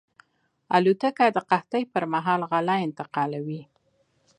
الوتکه د قحطۍ پر مهال غله انتقالوي.